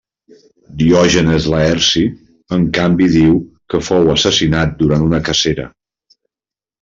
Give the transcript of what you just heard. Diògenes Laerci en canvi diu que fou assassinat durant una cacera.